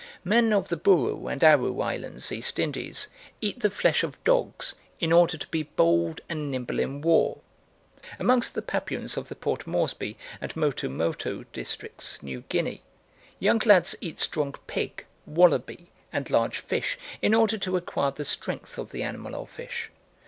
Men of the Buru and Aru Islands, East Indies, eat the flesh of dogs in order to be bold and nimble in war. Amongst the Papuans of the Port Moresby and Motumotu districts, New Guinea, young lads eat strong pig, wallaby, and large fish, in order to acquire the strength of the animal or fish.